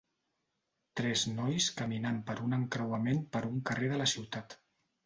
Tres nois caminant per un encreuament per un carrer de la ciutat.